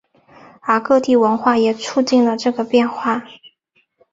而各地文化也促进了这个变化。